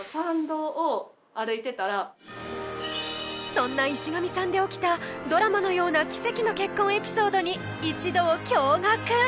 そんな石神さんで起きたドラマのようなキセキの結婚エピソードに一同驚愕！